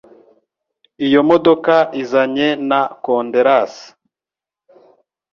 Iyi modoka izanye na konderasi.